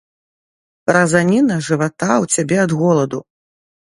Разаніна жывата ў цябе ад голаду.